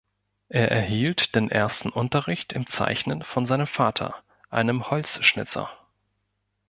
Er erhielt den ersten Unterricht im Zeichnen von seinem Vater, einem Holzschnitzer.